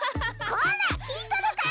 こら聞いとるか！？